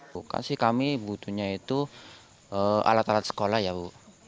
bukan sih kami butuhnya itu alat alat sekolah ya bu